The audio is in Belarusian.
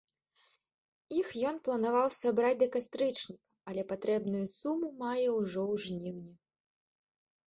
Іх ён планаваў сабраць да кастрычніка, але патрэбную суму мае ўжо ў жніўні.